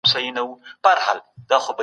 احمد شاه ابدالي څنګه د خپل پوځ ځواک زيات کړ؟